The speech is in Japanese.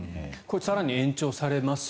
更に延長されます